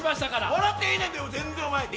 笑ってええねんで、全然。